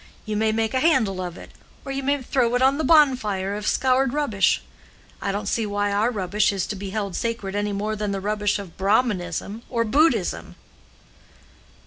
You may make a handle of it, or you may throw it on the bonfire of scoured rubbish. I don't see why our rubbish is to be held sacred any more than the rubbish of Brahmanism or Buddhism."